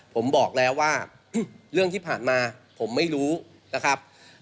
ผมบอกแล้วว่าเรื่องที่ผ่านมาผมไม่รู้นะครับ